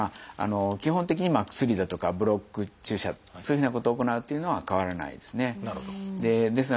基本的に薬だとかブロック注射だとかそういうふうなことを行うというのは変わらないですね。